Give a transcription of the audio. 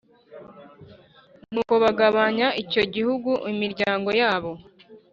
Nuko bagabanya icyo gihugu imiryango yabo